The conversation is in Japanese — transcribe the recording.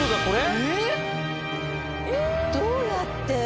どうやって？